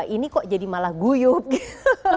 ini kok jadi malah guyup gitu